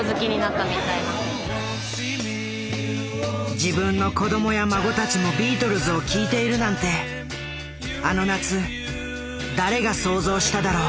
自分の子供や孫たちもビートルズを聴いているなんてあの夏誰が想像しただろう。